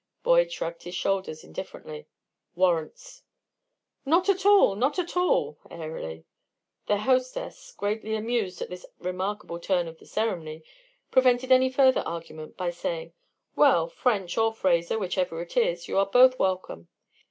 Boyd shrugged his shoulders indifferently: "Warrants!" "Not at all! Not at all!" airily. Their hostess, greatly amused at this remarkable turn of the ceremony, prevented any further argument by saying: "Well, French or Fraser, whichever it is, you are both welcome.